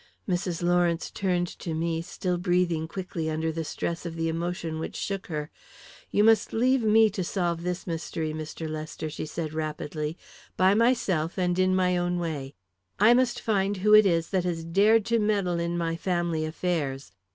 Mrs. Lawrence turned to me, still breathing quickly under the stress of the emotion which shook her. "You must leave me to solve this mystery, Mr. Lester," she said rapidly, "by myself and in my own way. I must find who it is that has dared to meddle in my family affairs.